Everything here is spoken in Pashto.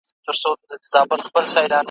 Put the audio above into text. ما منلی یې په عقل کی سردار یې `